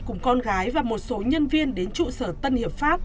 cùng con gái và một số nhân viên đến trụ sở tân hiệp pháp